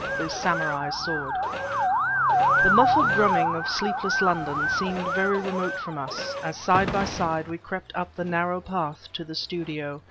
THE SAMURAI'S SWORD The muffled drumming of sleepless London seemed very remote from us, as side by side we crept up the narrow path to the studio.